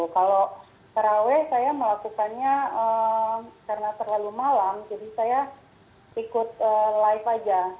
kalau taraweh saya melakukannya karena terlalu malam jadi saya ikut live aja